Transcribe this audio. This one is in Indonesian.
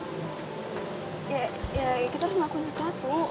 ya kita harus ngakuin sesuatu